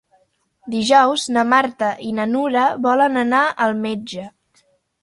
Dijous na Marta i na Nura volen anar al metge.